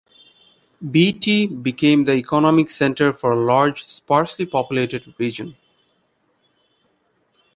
Beatty became the economic center for a large sparsely populated region.